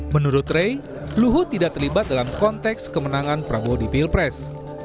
menurut rey luhut tidak terlibat dalam konteks kemenangan prabowo di pilpres